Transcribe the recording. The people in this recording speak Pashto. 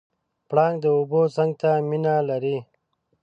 پړانګ د اوبو څنګ ته مینه لري.